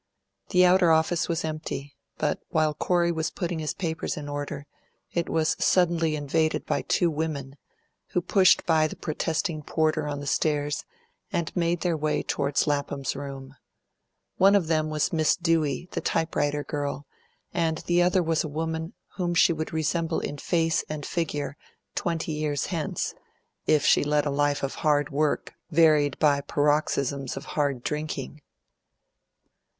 The outer office was empty; but while Corey was putting his papers in order it was suddenly invaded by two women, who pushed by the protesting porter on the stairs and made their way towards Lapham's room. One of them was Miss Dewey, the type writer girl, and the other was a woman whom she would resemble in face and figure twenty years hence, if she led a life of hard work varied by paroxysms of hard drinking.